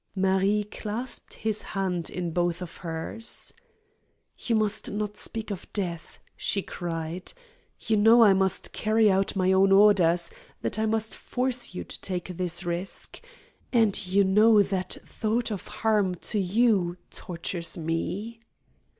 Marie clasped his hand in both of hers. "You must not speak of death," she cried; "you know I must carry out my orders, that I must force you to take this risk. And you know that thought of harm to you tortures me!"